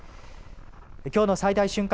きょうの最大瞬間